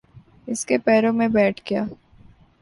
اس کے پیروں میں بیٹھ گیا۔